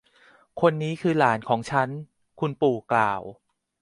คนนี้คือหลานของฉัน คุณปู่กล่าว